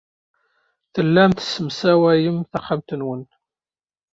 Tellam tessemsawayem taxxamt-nwen.